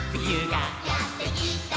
「やってきた！」